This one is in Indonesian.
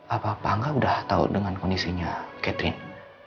apa apa angga sudah tahu dengan kondisinya catherine